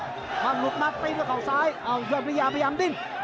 เอามือหลุดมาตีด้วยเขาซ้ายเอาเหยื่อประยะพยายามดิน